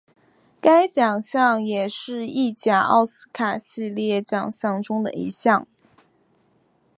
该奖项也是意甲奥斯卡系列奖项中的一项。